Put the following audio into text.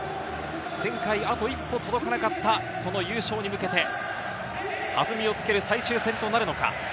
前回、あと一歩届かなかった、その優勝に向けて、弾みをつける最終戦となるのか。